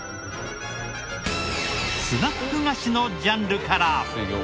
スナック菓子のジャンルから。